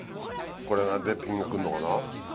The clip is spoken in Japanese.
これがピンが来んのかな？